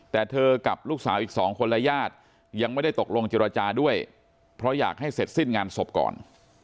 แต่เธอกับลูกสาวอีก๒คนและญาติยังไม่ได้ตกลงเจรจาด้วยเพราะอยากให้เสร็จสิ้นงานศพก่อน